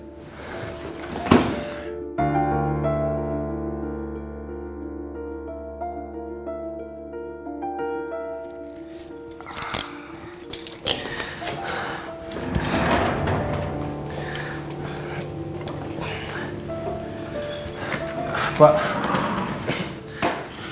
maksudnya cuma bantuan